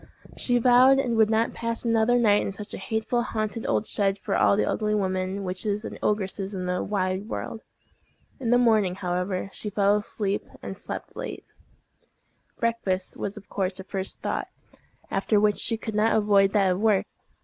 She vowed she would not pass another night in such a hateful haunted old shed for all the ugly women, witches, and ogresses in the wide world. In the morning, however, she fell asleep, and slept late. Breakfast was of course her first thought, after which she could not avoid that of work.